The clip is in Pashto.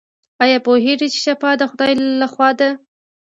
ایا پوهیږئ چې شفا د خدای لخوا ده؟